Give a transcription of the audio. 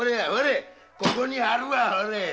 ここにあるわホレ！